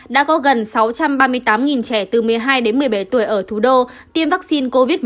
đã có gần sáu trăm ba mươi tám trẻ từ một mươi hai đến một mươi bảy tuổi ở thủ đô tiêm vaccine covid một mươi chín